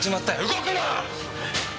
動くな！！